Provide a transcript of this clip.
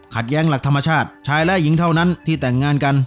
แย้งหลักธรรมชาติชายและหญิงเท่านั้นที่แต่งงานกัน